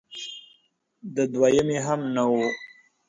د دویمې هم نه و